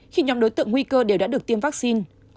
khi nhóm đối tượng nguy cơ đều đã được tiêm vaccine